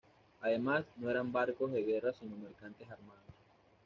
Además, no eran barcos de guerra sino mercantes armados.